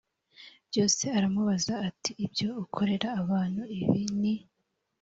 byose aramubaza ati ibyo ukorera abantu ibi ni